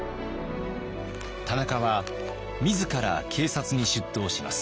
田中は自ら警察に出頭します。